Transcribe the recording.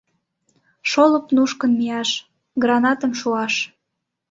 Шолып нушкын мияш, гранатым шуаш...